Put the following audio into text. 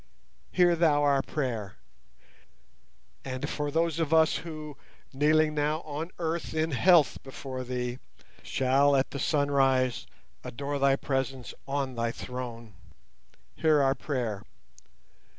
Hear Thou our prayer! And for those of us who, kneeling now on earth in health before Thee, shall at the sunrise adore Thy Presence on the Throne, hear our prayer!